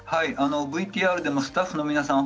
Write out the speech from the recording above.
ＶＴＲでもスタッフの皆さん